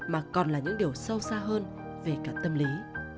mà còn là những điều sâu xa hơn về cả tâm lý